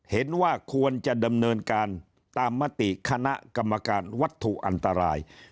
เห็นว่าควรจะดำเนินการตามมติคณะกรรมการวัตถุอันตราย